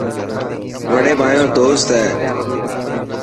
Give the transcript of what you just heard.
وڙي مايو دوست هي.